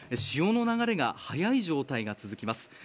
潮の流れが速い状態が続きます。